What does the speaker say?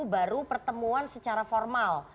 baru pertemuan secara formal